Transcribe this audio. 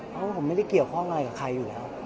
เพราะว่าผมไม่ได้เกี่ยวข้องอะไรกับใครอยู่แล้ว